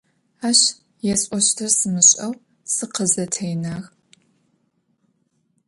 Ащ есӀощтыр сымышӀэу сыкъызэтенагъ.